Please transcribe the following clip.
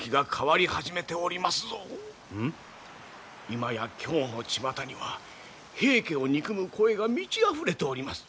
今や京のちまたには平家を憎む声が満ちあふれております。